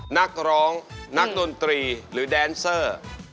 นักร้องนักดนตรีหรือแดนเซอร์